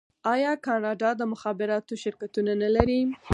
آیا کاناډا د مخابراتو شرکتونه نلري؟